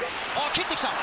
蹴って来た！